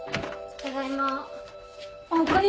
ただいま。